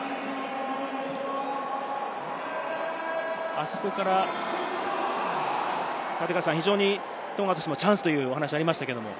あそこから非常にトンガとしてもチャンスというお話がありましたけれども。